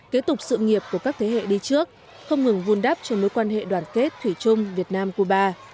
kế tục sự nghiệp của các thế hệ đi trước không ngừng vun đắp cho mối quan hệ đoàn kết thủy chung việt nam cuba